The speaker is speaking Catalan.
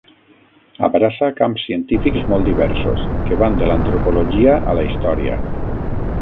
Abraça camps científics molt diversos que van de l’antropologia a la història.